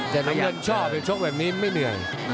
แต่น้ำเงินชอบเลยชกแบบนี้ไม่เหนื่อย